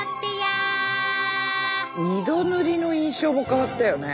２度塗りの印象も変わったよね。